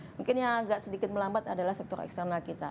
mungkin yang agak sedikit melambat adalah sektor eksternal kita